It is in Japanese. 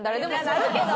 なるけど！